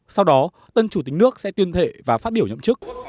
sau đó tân chủ tịch nước sẽ tuyên thệ và phát biểu nhậm chức